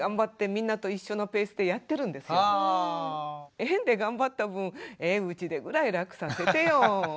園で頑張った分うちでぐらい楽させてよ。